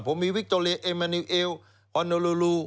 ผมมีวิคโตเลเอมานิวเอลฮอนโลลู